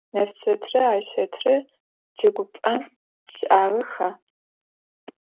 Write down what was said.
Nefsetre Ayşetre cegup'em şı'ağexa?